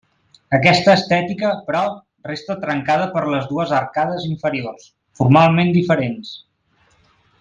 Aquesta estètica, però, resta trencada per les dues arcades inferiors, formalment diferents.